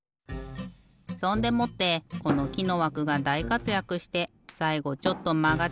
そんでもってこのきのわくがだいかつやくしてさいごちょっとまがっちゃうのもごあいきょうだよね。